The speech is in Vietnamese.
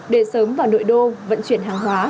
đề sớm vào nội đô vận chuyển hàng hóa